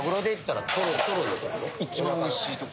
一番おいしいとこ？